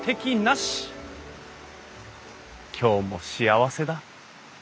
今日も幸せだ。